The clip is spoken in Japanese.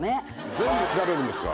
全部調べるんですか。